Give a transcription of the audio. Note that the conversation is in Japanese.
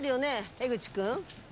江口君。